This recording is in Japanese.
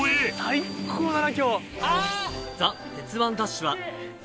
最高だな今日！